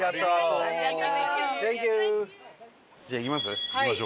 じゃあ行きます？